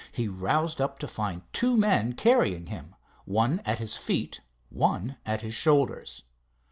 He roused up to find two men carrying him, one at his feet, one at his shoulders.